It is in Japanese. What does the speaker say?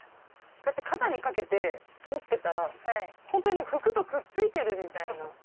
こうやって肩に掛けて持ってたら本当に服とくっついてるみたいな。